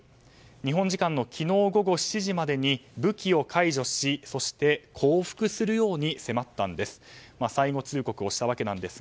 日本時間の昨日午後７時までに武器を解除しそして降伏するように迫ったんです。